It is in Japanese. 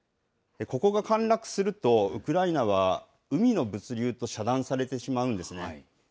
ここが陥落すると、ウクライナは海の物流と遮断されてしまうんですね。